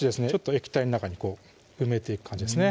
液体の中に埋めていく感じですね